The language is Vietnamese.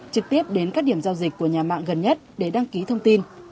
trực tiếp đến các điểm giao dịch của nhà mạng gần nhất để đăng ký thông tin